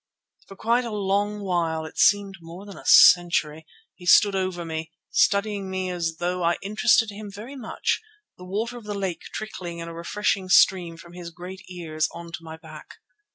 For quite a long while, it seemed more than a century, he stood over me, studying me as though I interested him very much, the water of the lake trickling in a refreshing stream from his great ears on to my back.